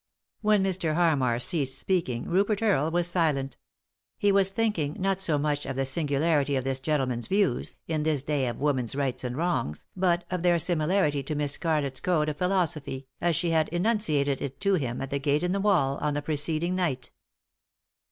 When Mr. Harmar ceased speaking Rupert Earle was silent. He was thinking, not so much of the singu larity of this gentleman's views, in this day of woman's rights and wrongs, but of their similarity to Miss Scarlett's code of philosophy, as she had enunciated it to him at the gate in the wall, on the preceding night.